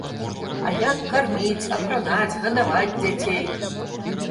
А як карміць, апранаць, гадаваць дзяцей?